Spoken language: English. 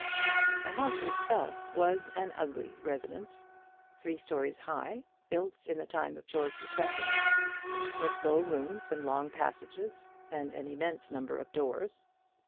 The house itself was an ugly residence, three stories high, built in the time of George II., with low rooms and long passages, and an immense number of doors.